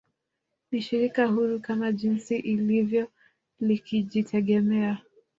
Ni Shirika huru kama jinsi ilivyo likijitegemea